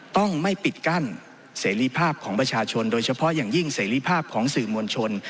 ต้องไม่ปิดกั้นเสรีภาพของประชาชนโดยเฉพาะอย่างยิ่งเสรีภาพของสื่อมวลชน